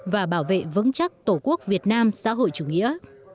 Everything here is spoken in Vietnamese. và bảo vệ vững chắc tổ quốc việt nam xã hội chủ nghĩa